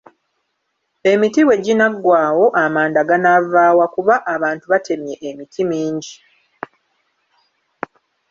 Emiti bwe ginaggwaawo amanda ganaavaawa kuba abantu batemye emiti mingi.